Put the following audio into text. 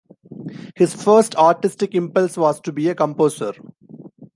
His first artistic impulse was to be a composer.